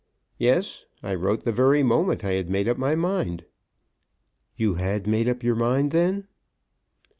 "Yes; I wrote the very moment I had made up my mind." "You had made up your mind, then?"